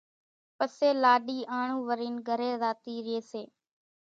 پسيَ لاڏِي آنڻون ورينَ گھرين زاتِي ريئيَ سي۔